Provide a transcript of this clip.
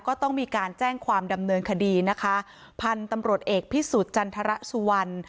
ก็ต้องมีการแจ้งความดำเนินคดีนะคะพันธุ์ตำรวจเอกพิสุทธิ์จันทรสุวรรณ